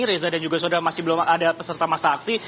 reza dan juga saudara masih belum ada peserta masa aksi